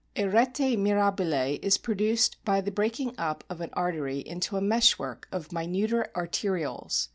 A rete mirabile is produced by the breaking up of an artery into a meshwork of minuter arterioles.